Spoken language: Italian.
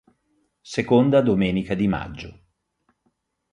Seconda domenica di maggio.